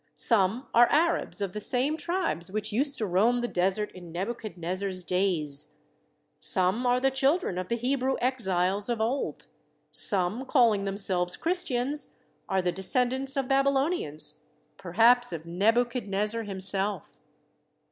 Some are Arabs of the same tribes which used to roam the desert in Nebuchadnezzar's days. Some are the children of the Hebrew exiles of old. Some, calling them selves Christians, are the descendants of Babylo nians, perhaps of Nebuchadnezzar himself.